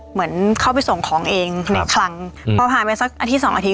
เหมือนเข้าไปส่งของเองในคลังพอผ่านไปสักอาทิตย์สองอาทิต